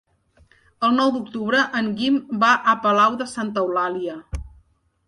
El nou d'octubre en Guim va a Palau de Santa Eulàlia.